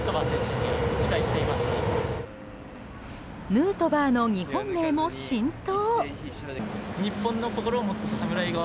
ヌートバーの日本名も浸透。